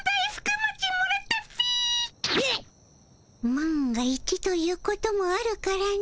万が一ということもあるからの。